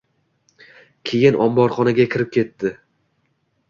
Keyin omborxonaga kirib ketdi